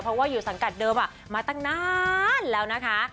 เพราะว่าอยู่สังกัดเดิมมาตั้งนานแล้วนะคะ